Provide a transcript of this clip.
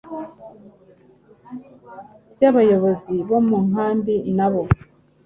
ryabayobozi bo mu nkambi n’abo